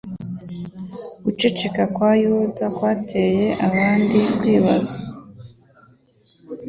Guceceka kwa Yuda kwateye abandi kwibaza.